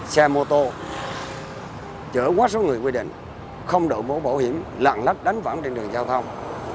xe mô tô chở quá số người quy định không đội mũ bảo hiểm lạng lách đánh võng trên đường giao thông